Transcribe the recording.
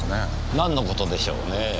なんのことでしょうねぇ。